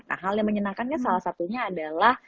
nah hal yang menyenangkan kan salah satunya adalah